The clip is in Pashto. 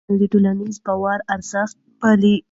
لوستې نجونې د ټولنې د باور ارزښت پالي.